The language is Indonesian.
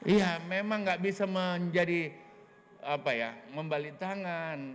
iya memang nggak bisa menjadi apa ya membalik tangan